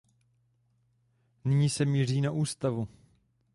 Nyní se míří na ústavu.